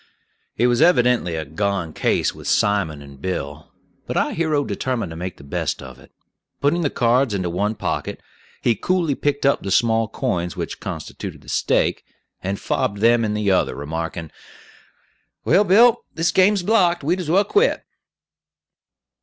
It was evidently a "gone case" with Simon and Bill; but our hero determined to make the best of it. Putting the cards into one pocket, he coolly picked up the small coins which constituted the stake, and fobbed them in the other, remarking, "Well, Bill, this game's blocked; we'd as well quit."